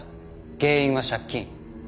原因は借金。